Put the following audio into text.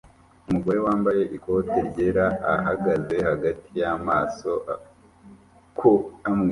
umugore wambaye ikote ryera ahagaze hagati yamasoko amwe